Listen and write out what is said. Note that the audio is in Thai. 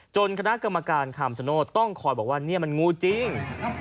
คณะกรรมการคำสโนธต้องคอยบอกว่านี่มันงูจริง